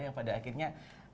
yang pada akhirnya